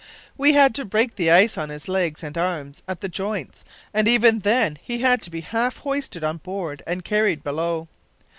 We had to break the ice on his legs and arms at the joints, and even then he had to be half hoisted on board and carried below.